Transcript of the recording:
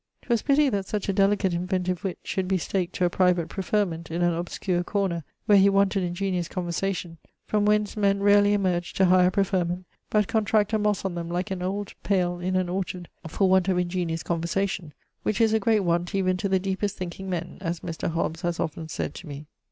'Twas pitty that such a delicate inventive witt should be staked to a private preferment in an obscure corner (where he wanted ingeniose conversation), from whence men rarely emerge to higher preferment, but contract a mosse on them like an old pale in an orchard for want of ingeniose conversation, which is a great want even to the deepest thinking men (as Mr. Hobbes haz often sayd to me).